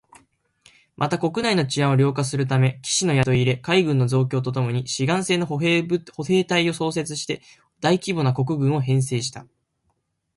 また、国内の治安を良化するため、騎士の雇い入れ、海軍の増強とともに志願制の歩兵隊を創設して大規模な国軍を編成した